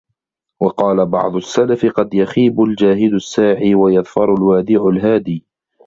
وَقَالَ بَعْضُ السَّلَفِ قَدْ يَخِيبُ الْجَاهِدُ السَّاعِي ، وَيَظْفَرُ الْوَادِعُ الْهَادِي